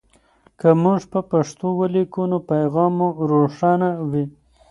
که موږ په پښتو ولیکو نو پیغام مو روښانه وي.